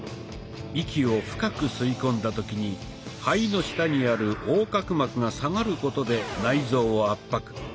息を深く吸い込んだ時に肺の下にある横隔膜が下がることで内臓を圧迫。